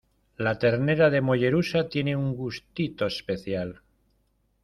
La ternera de Mollerussa tiene un gustito especial.